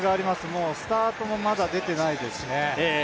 もうスタートもまだ出てないですしね。